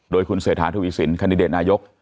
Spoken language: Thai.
โดยคุณเศรษฐาทวีสินคันดิเดตนายก